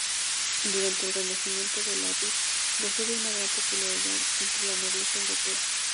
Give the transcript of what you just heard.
Durante el renacimiento el laúd gozó de una gran popularidad entre la nobleza europea.